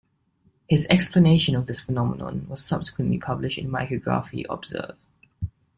His explanation of this phenomenon was subsequently published in Micrography Observ.